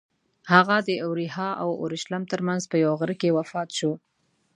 هغه د اریحا او اورشلیم ترمنځ په یوه غره کې وفات شو.